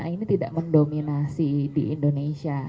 ini tidak mendominasi di indonesia